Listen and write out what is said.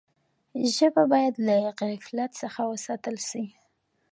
ژبه باید له غفلت څخه وساتل سي.